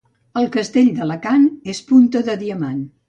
El castell d'Alacant és punta de diamant.